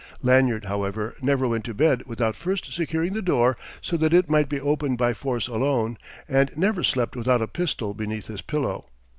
Lanyard, however, never went to bed without first securing his door so that it might be opened by force alone; and never slept without a pistol beneath his pillow.